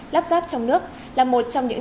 lắp ráp trong nước là một trong những